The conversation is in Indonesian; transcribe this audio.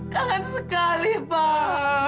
kangen sekali pak